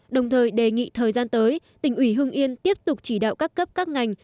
đồng thời đề nghị thời gian tới tỉnh ủy hương yên tiếp tục chỉ đạo các cấp các ngành